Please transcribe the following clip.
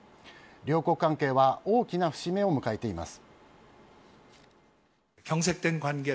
両国関係は大きな節目を迎えています。